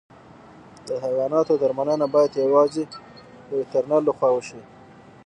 د حیواناتو درملنه باید یوازې د وترنر له خوا وشي.